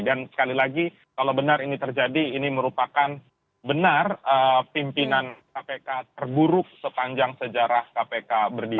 dan sekali lagi kalau benar ini terjadi ini merupakan benar pimpinan kpk terburuk sepanjang sejarah kpk berdiri